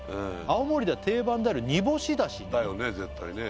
「青森では定番である煮干し出汁」だよね